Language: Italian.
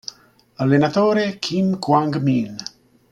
Allenatore: Kim Kwang Min